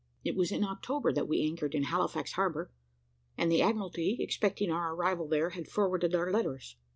It was in October that we anchored in Halifax harbour, and the Admiralty, expecting our arrival there, had forwarded our letters.